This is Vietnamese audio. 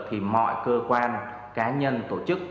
thì mọi cơ quan cá nhân tổ chức